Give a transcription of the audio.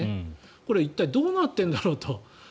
これは一体どうなっているんだろうと。